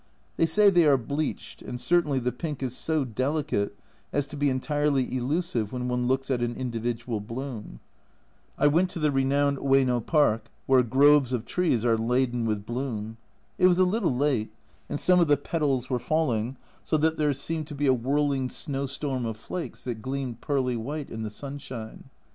They say they are bleached, and certainly the pink is so delicate as to be entirely elusive when one looks at an individual bloom. I went to the renowned Oyeno Park, where groves of trees are laden with bloom. It was a little late, and some of the petals were falling, so that there seemed 140 A Journal from Japan to be a whirling snowstorm of flakes that gleamed pearly white in the sunshine.